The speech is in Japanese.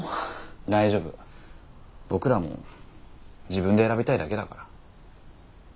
大丈夫僕らも自分で選びたいだけだから。